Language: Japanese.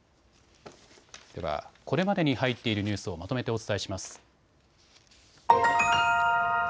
では、これまでに入っているニュースをまとめてお伝えします。